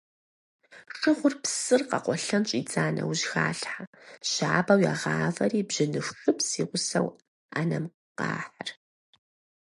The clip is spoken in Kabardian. Шыгъур псыр къэкъуэлъэн щӏидза нэужь халъхьэ, щабэу ягъавэри бжьыныху шыпс и гъусэу ӏэнэм къахьыр.